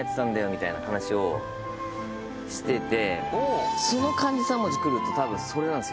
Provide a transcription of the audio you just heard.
みたいな話をしてて。